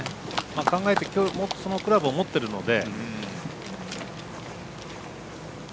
考えてそのクラブを持ってるので。